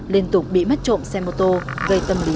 liên tục bị mất trộm xe mô tô gây tâm lý